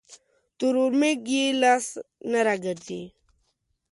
تر اورمېږ يې لاس نه راګرځي.